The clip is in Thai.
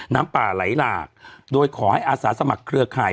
น้ำป่าไหลหลากโดยขอให้อาสาสมัครเครือข่าย